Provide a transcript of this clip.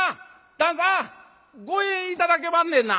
旦さん五円頂けまんねんな？